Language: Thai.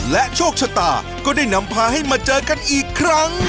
และโชคชะตาก็ได้นำพาให้มาเจอกันอีกครั้ง